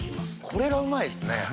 これがうまいですね。